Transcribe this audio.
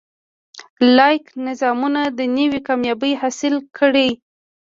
لاییک نظامونه دنیوي کامیابۍ حاصلې کړي.